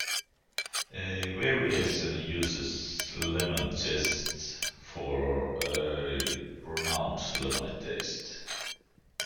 A variation uses lemon zest, for a pronounced lemony taste.